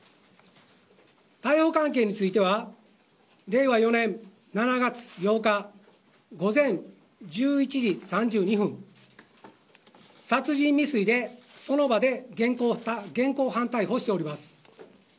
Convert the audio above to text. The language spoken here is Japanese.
逮捕関係については令和４年７月８日午前１１時３２分殺人未遂でその場で現行犯逮捕しております。